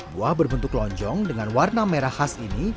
buah berbentuk lonjong dengan warna merah khas ini